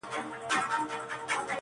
هغه به څرنګه بلا وویني,